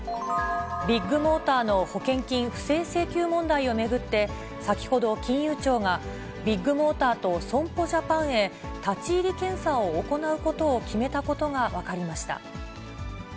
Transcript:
ビッグモーターの保険金不正請求問題を巡って、先ほど金融庁が、ビッグモーターと損保ジャパンへ立ち入り検査を行うことを決めたことが分かりました。